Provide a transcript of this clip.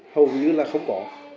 hầu như là không có